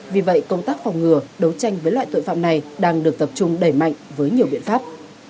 vì vậy công tác phòng ngừa đấu tranh với loại tội phạm này đang được tập trung đẩy mạnh với nhiều biện pháp